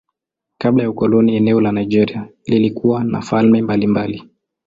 Kabla ya ukoloni eneo la Nigeria lilikuwa na falme mbalimbali.